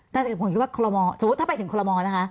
น่าจะคิดว่าคอลโลมอร์สมมุติถ้าไปถึงคอลโลมอร์นะคะ